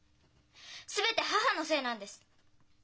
全て母のせいなんです！